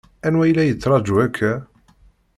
Anwa i la yettṛaǧu akka?